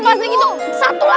yang juga pony prok pear